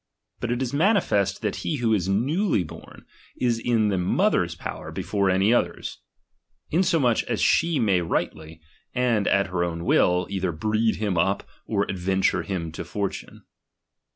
But it is maiii '' fest that he who is newly born, is in the viother's t power before any others ; insomuch as she may rigbtlyj and at her own will, either breed him up or adventure him to fortune.